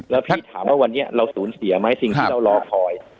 แล้วพี่ถามว่าวันนี้เราสูญเสียไหมสิ่งที่เรารอคอย